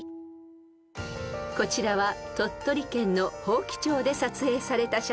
［こちらは鳥取県の伯耆町で撮影された写真］